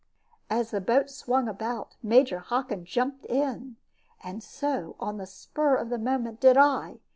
As the boat swung about, Major Hockin jumped in, and so, on the spur of the moment, did I.